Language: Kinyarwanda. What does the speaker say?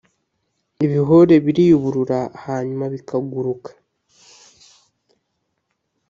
Ibihore biriyuburura hanyuma bikaguruka